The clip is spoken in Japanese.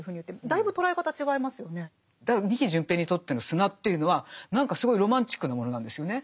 だから仁木順平にとっての砂というのは何かすごいロマンチックなものなんですよね。